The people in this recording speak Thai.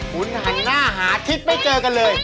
คุณหันหน้าหาทิศไม่เจอกันเลย